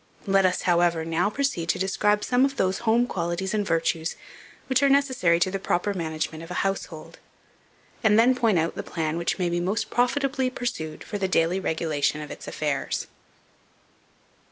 Let us, however, now proceed to describe some of those home qualities and virtues which are necessary to the proper management of a Household, and then point out the plan which may be the most profitably pursued for the daily regulation of its affairs.